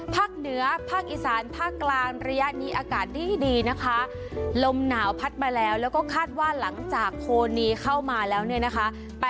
ภาคเหนือภาคอีสานภาคกลางระยะนี้อากาศดีนะคะลมหนาวพัดมาแล้วแล้วก็คาดว่าหลังจากโคนีเข้ามาแล้วเนี่ยนะคะ